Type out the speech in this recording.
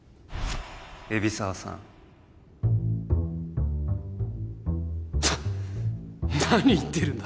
海老沢さんな何言ってるんだ